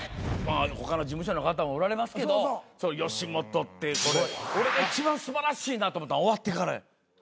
他の事務所の方もおられますけど吉本って俺が一番素晴らしいなと思ったんは終わってからや。